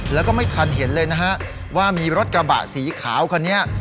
แล้วก็ไม่ทันเห็นเลยนะฮะว่ามีรถกระบะสีขาวคันนี้